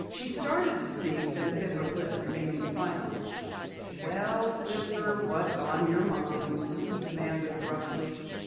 She started to speak, then bit her lip, remaining silent. "Well, sister, what's on your mind?" he demanded abruptly.